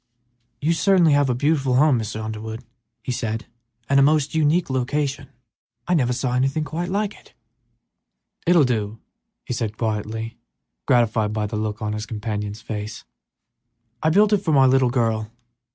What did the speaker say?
"You certainly have a beautiful home, Mr. Underwood," he said, "and a most unique location. I never saw anything quite like it." "It will do," said the elder man, quietly, gratified by what he saw in his companion's face. "I built it for my little girl.